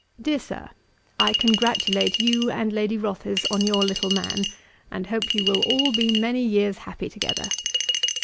'DEAR SIR, 'I congratulate you and Lady Rothes on your little man, and hope you will all be many years happy together.